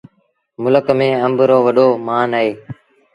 ملڪ ميݩ آݩب رو وڏو مآݩ اهي۔